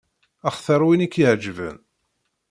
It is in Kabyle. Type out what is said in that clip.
Xtir win i k-iɛeǧben.